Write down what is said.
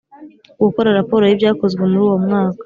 Gukora raporo y ibyakozwe muri uwo mwaka